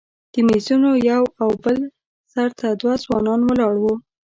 د میزونو یو او بل سر ته دوه ځوانان ولاړ وو.